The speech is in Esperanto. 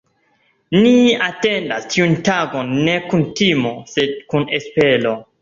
Ni atendas tiun tagon ne kun timo, sed kun espero.